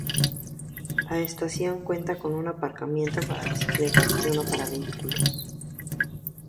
La estación cuenta con un aparcamiento para bicicletas y uno para vehículos.